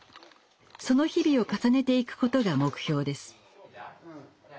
その日々を重ねていくことが目標です。